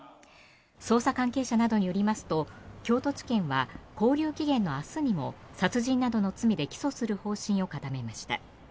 捜査関係者などによりますと京都地検は勾留期限の明日にも殺人などの罪で起訴する方針を固めました。